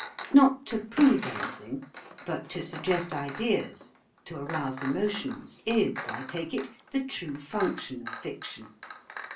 Not to prove anything, but to suggest ideas, to arouse emotions, is, I take it, the true function of fiction.